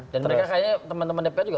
dan mereka kayaknya teman teman dpr juga